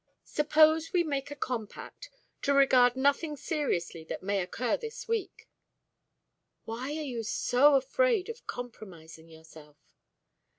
"Suppose we make a compact to regard nothing seriously that may occur this week." "Why are you so afraid of compromising yourself?"